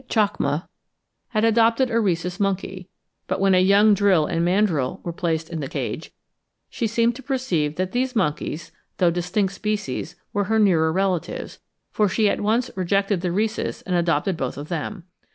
chacma) had adopted a Rhesus monkey; but when a young drill and mandrill were placed in the cage, she seemed to perceive that these monkeys, though distinct species, were her nearer relatives, for she at once rejected the Rhesus and adopted both of them.